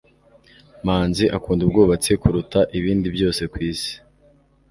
manzi akunda ubwubatsi kuruta ibindi byose kwisi